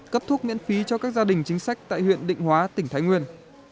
cấp thuốc miễn phí cho các gia đình chính sách tại huyện định hóa tỉnh thái nguyên